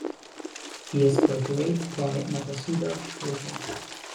He is portrayed by Matsuda Shota.